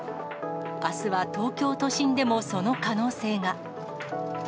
あすは東京都心でもその可能性が。